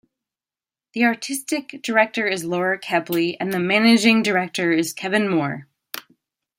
The Artistic Director is Laura Kepley and the Managing Director is Kevin Moore.